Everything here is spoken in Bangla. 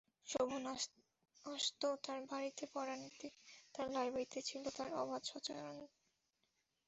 শোভন আসত তাঁর বাড়িতে পড়া নিতে, তাঁর লাইব্রেরিতে ছিল তার অবাধ সঞ্চরণ।